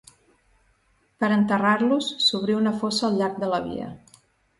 Per a enterrar-los, s'obrí una fossa al llarg de la via.